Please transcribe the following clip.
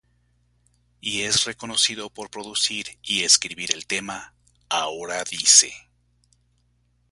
Y es reconocido por producir y escribir el tema ""Ahora dice"".